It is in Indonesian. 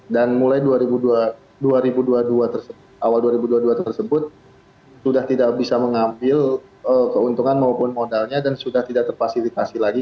dan mulai awal dua ribu dua puluh dua tersebut sudah tidak bisa mengambil keuntungan maupun modalnya dan sudah tidak terfasilitasi lagi